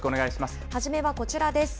初めはこちらです。